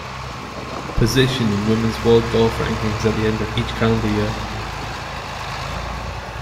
Position in Women's World Golf Rankings at the end of each calendar year.